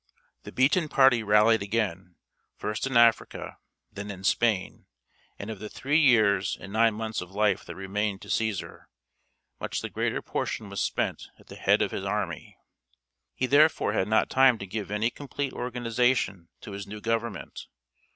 The beaten party rallied again, first in Africa, then in Spain; and of the three years and nine months of life that remained to Cæsar, much the greater portion was spent at the head of his army. He, therefore, had not time to give any complete organization to his new government.